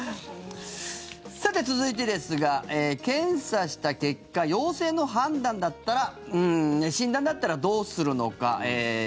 さて、続いてですが検査した結果陽性の判断だったら診断だったらどうするのか。